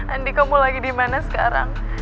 andi kamu lagi di mana sekarang